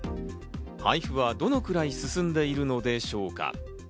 配布はどのくらい進んでいるのでしょうか？